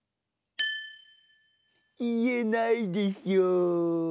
いえないでしょう？